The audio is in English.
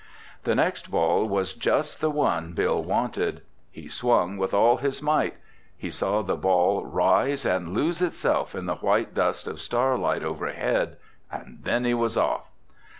The next ball was just the one Bill wanted. He swung with all his might. He saw the ball rise and lose itself in the white dust of starlight overhead. And then he was off!